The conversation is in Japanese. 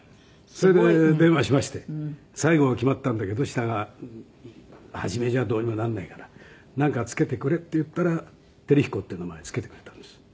それで電話しまして「西郷は決まったんだけど下が一じゃどうにもなんないからなんかつけてくれ」って言ったら輝彦っていう名前をつけてくれたんです。